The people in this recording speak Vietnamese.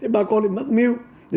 bà con lại mắc mưu